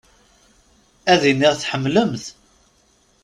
Ad iniɣ tḥemmlem-t.